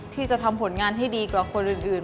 ที่จะทำผลงานให้ดีกว่าคนอื่น